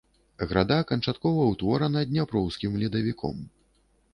Града канчаткова ўтворана дняпроўскім ледавіком.